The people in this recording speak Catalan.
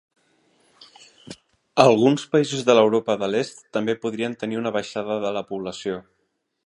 Alguns països de l'Europa de l'Est també podrien tenir una baixada de la població.